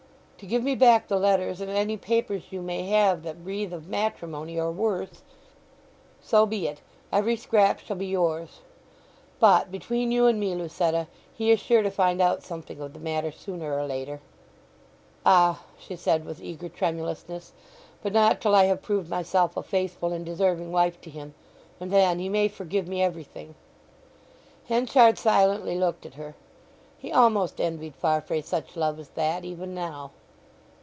"To give me back the letters and any papers you may have that breathe of matrimony or worse." "So be it. Every scrap shall be yours.... But, between you and me, Lucetta, he is sure to find out something of the matter, sooner or later." "Ah!" she said with eager tremulousness; "but not till I have proved myself a faithful and deserving wife to him, and then he may forgive me everything!" Henchard silently looked at her: he almost envied Farfrae such love as that, even now.